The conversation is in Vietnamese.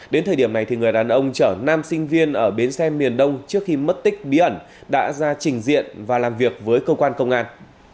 đến thời điểm này người đàn ông chở nam sinh viên ở bến xe miền đông trước khi mất tích bí ẩn đã ra trình diện và làm việc với cơ quan công an